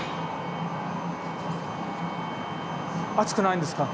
熱くないんですか？